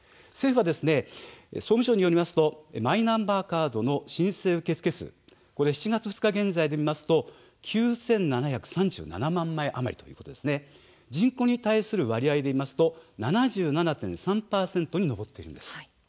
総務省によりますとマイナンバーカードの申請受付数これは７月２日現在で見ますと９７３７万枚余りということで人口に対する割合で見ますと７７．３％に上っているんです。